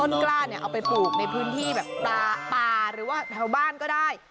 กล้าเนี่ยเอาไปปลูกในพื้นที่แบบปลาปลาหรือว่าแถวบ้านก็ได้